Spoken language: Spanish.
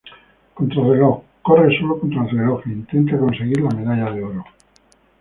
Contrarreloj: Corre solo contra el reloj, e intenta conseguir la medalla de oro.